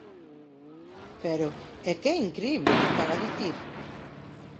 Pero, ¡é que é incrible o que están a dicir!